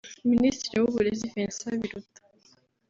Minisitiri w’uburezi Vincent Biruta